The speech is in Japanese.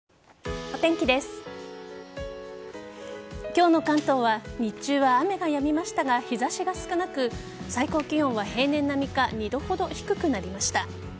今日の関東は日中は雨がやみましたが日差しは少なく最高気温は平年並みか２度ほど低くなりました。